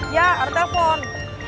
ya ada telpon